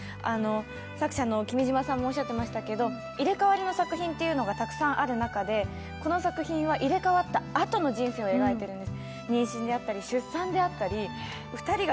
作者の君嶋さんもおっしゃってましたけど、入れ代わりの作品はたくさんあるけどこの作品は入れ代わったあとの話を描いているんです。